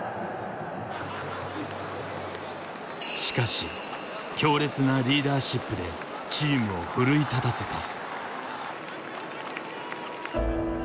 しかし強烈なリーダーシップでチームを奮い立たせた。